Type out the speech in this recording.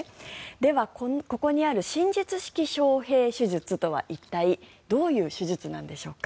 では、ここにある新術式ショウヘイ手術とは一体どういう手術なんでしょうか。